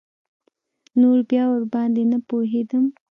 نور بيا ورباندې نه پوهېدم.